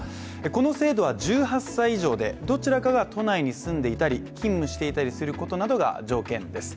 この制度は１８歳以上でどちらかが都内に住んでいたり勤務していたりすることなどが条件です。